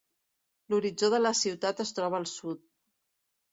L'horitzó de la ciutat es troba al sud.